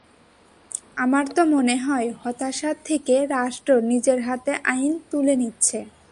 আমার তো মনে হয়, হতাশা থেকে রাষ্ট্র নিজের হাতে আইন তুলে নিচ্ছে।